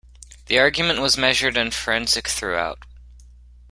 The argument was measured and forensic throughout.